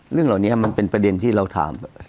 เรื่องเหล่านี้มันเป็นประเด็นที่เราถาม